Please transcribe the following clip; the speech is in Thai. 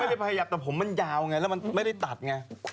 ไม่ได้ขยับแต่ผมมันยาวไงแล้วมันไม่ได้ตัดไง